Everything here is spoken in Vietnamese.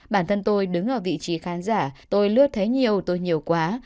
bản thân tôi đứng ở vị trí khán giả tôi lướt thế nhiều tôi nhiều quá